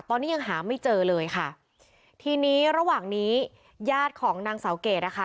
ตอนนี้ยังหาไม่เจอเลยค่ะทีนี้ระหว่างนี้ญาติของนางสาวเกดนะคะ